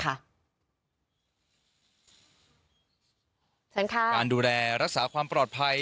การดูแลรักษาความปลอดภัย